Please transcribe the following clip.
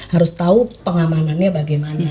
harus tahu pengamanannya bagaimana